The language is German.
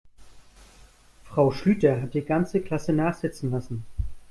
Frau Schlüter hat die ganze Klasse nachsitzen lassen.